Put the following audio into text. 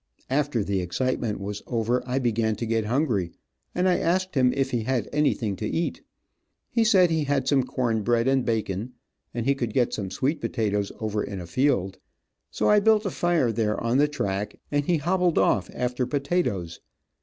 After the excitement was over I began to get hungry, and I asked him if he had anything to eat. He said he had some corn bread and bacon, and he could get some sweet potatoes over in a field. So I built a fire there on the track, and he hobbled off after potatoes.